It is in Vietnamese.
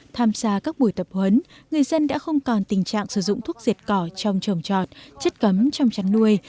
tham gia các buổi tập huấn người dân đã không còn tình trạng sử dụng thuốc diệt cỏ trong trồng trọt chất cấm trong chăn nuôi